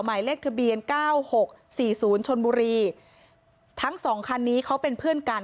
หมายเลขทะเบียน๙๖๔๐ชนบุรีทั้ง๒คันนี้เขาเป็นเพื่อนกัน